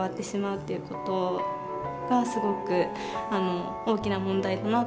っていうことがすごく大きな問題だなと思って。